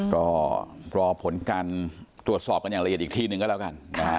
ก็รอผลการตรวจสอบกันอย่างละเอียดอีกทีนึงก็แล้วกันนะฮะ